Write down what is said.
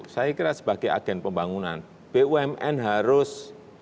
saya kira sebagai agen pembangunan bumn harus